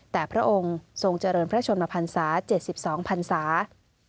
แต่พระองค์ทรงเจริญพระชมพันธุ์ศาสตร์๗๒พันธุ์ศาสตร์